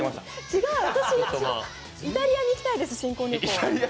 違う、私はイタリアに行きたいです、新婚旅行。